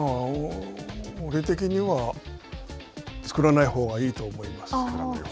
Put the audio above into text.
俺的には、つくらないほうがいいと思います。